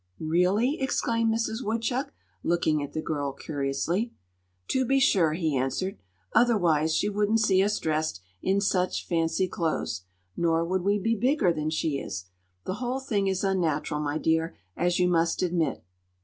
"Really?" exclaimed Mrs. Woodchuck, looking at the girl curiously. "To be sure," he answered. "Otherwise she wouldn't see us dressed in such fancy clothes, nor would we be bigger than she is. The whole thing is unnatural, my dear, as you must admit."